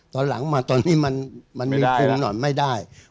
ก็หลังมาคุณมันไม่ได้